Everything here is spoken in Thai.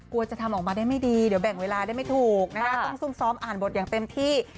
จะทำออกมาได้ไม่ดีเดี๋ยวแบ่งเวลาได้ไม่ถูกนะคะต้องซุ่มซ้อมอ่านบทอย่างเต็มที่